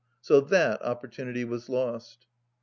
So that opportunity was lost.